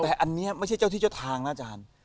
แต่อันนี้ไม่ใช่เจ้าที่เจ้าทางนะอาจารย์